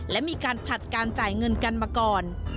และมีการผลัดการจ่ายเงินกันมาก่อน